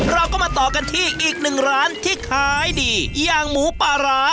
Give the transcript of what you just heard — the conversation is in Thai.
เราก็มาต่อกันที่อีกหนึ่งร้านที่ขายดีอย่างหมูปลาร้า